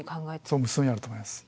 そう無数にあると思います。